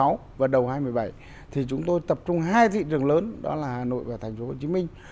đầu hai nghìn một mươi bảy thì chúng tôi tập trung hai thị trường lớn đó là hà nội và thành phố hồ chí minh